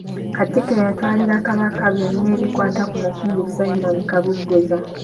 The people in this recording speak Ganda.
Katikkiro yatwalira Ssaabasajja Kabaka byona ebikwata ku Mukungu Simon Kabogoza.